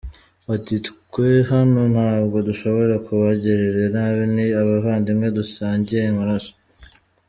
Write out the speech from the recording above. Ati “twe hano ntabwo dushobora kubagirira nabi ni abavandimwe dusangiye amaraso.